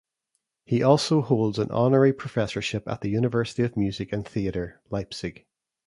He also holds an Honorary Professorship at the University of Music and Theatre Leipzig.